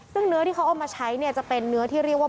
ซึ่งเนื้อที่เขาเอามาใช้เนี่ยจะเป็นเนื้อที่เรียกว่า